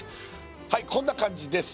はいこんな感じです